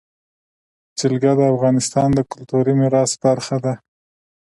جلګه د افغانستان د کلتوري میراث برخه ده.